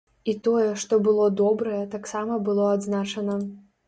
І тое, што было добрае, таксама было адзначана.